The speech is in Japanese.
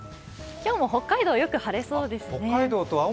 今日も北海道はよく晴れそうですね。